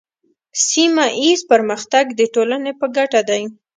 سیمه ایز پرمختګ د ټولنې په ګټه دی.